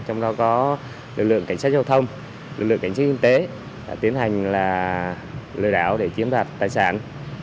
trong đó có lực lượng cảnh sát giao thông lực lượng cảnh sát hình tế tiến hành là lợi đảo để chiếm đạt tài sản